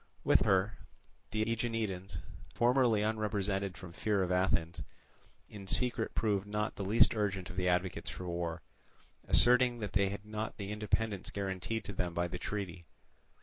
With her, the Aeginetans, formally unrepresented from fear of Athens, in secret proved not the least urgent of the advocates for war, asserting that they had not the independence guaranteed to them by the treaty.